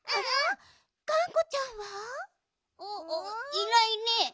いないね。